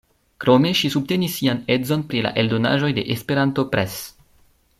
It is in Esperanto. Krome ŝi subtenis sian edzon pri la eldonaĵoj de Esperanto Press.